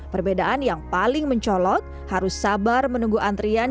perbedaan yang paling mencolok harus sabar menunggu antrian